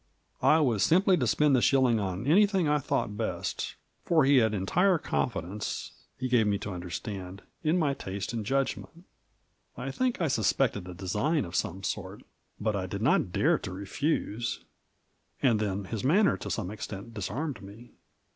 I was simply to spend the shilling on anything I thought best, for he had entire confidence, he gave me to understand, in my taste and judgment. I think I suspected a design of some sort, but I did not dare to refuse, and then his manner to some extent disarmed me.